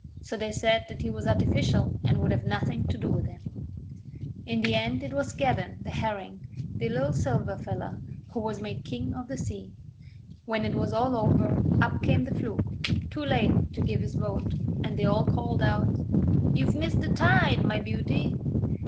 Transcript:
So they said that he was artificial and would have nothing to do with him. In the end it was Skeddan, the Herring, the Lil Silver Fella, who was made King of the Sea. When it was all over, up came the Fluke, too late to give his vote, and they all called out: 'You've missed the tide, my beauty!'